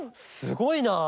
すごいな！